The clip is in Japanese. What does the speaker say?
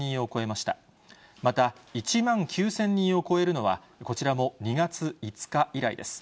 また、１万９０００人を超えるのは、こちらも２月５日以来です。